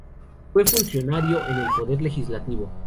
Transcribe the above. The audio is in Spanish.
Fue funcionario en el Poder Legislativo.